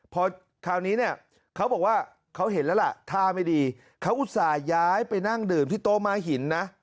พอคราวนี้เนี่ยเขาบอกว่าเขาเห็นแล้วล่ะท่าไม่ดีเขาอุตส่าห์ย้ายไปนั่งดื่มที่โต๊ม้าหินนะ